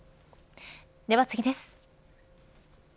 では次です。